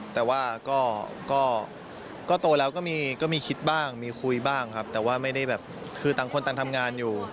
แต่ว่าก็โตแล้วก็มีคิดบ้างมีคุยบ้างครับแต่ว่าไม่ได้แบบคือต่างคนต่างทำงานอยู่